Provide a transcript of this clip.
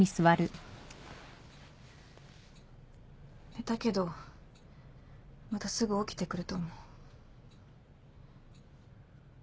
寝たけどまたすぐ起きてくると思う。